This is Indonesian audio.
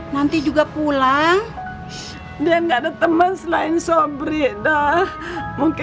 nanti juga pulang